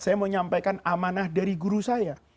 saya mau nyampaikan amanah dari guru saya